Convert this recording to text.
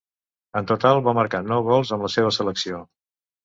En total va marcar nou gols amb la seva selecció.